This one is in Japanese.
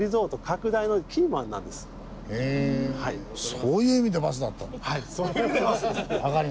そういう意味でバスだったんだ。